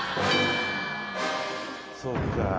そうか。